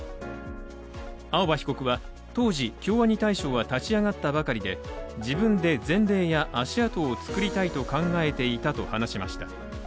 青葉被告は当時、京アニ大賞は立ち上がったばかりで、自分で前例や足跡を作りたいと考えていたと話しました。